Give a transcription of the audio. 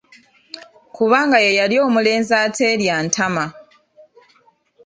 Kubanga ye yali omulenzi ateerya ntama.